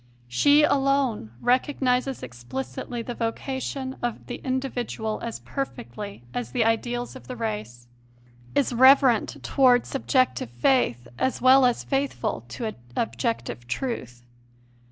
She alone recognizes explicitly the vocation of the individual as perfectly as the ideals of the race; is reverent towards subjective faith as well as faithful to objective truth.